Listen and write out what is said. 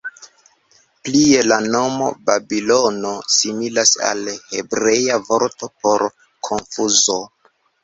Plie la nomo "Babilono" similas al hebrea vorto por "konfuzo".